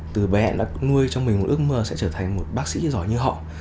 từ bé đã nuôi cho mình một ước mơ sẽ trở thành một bác sĩ giỏi như họ